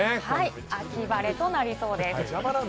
秋晴れとなりそうです。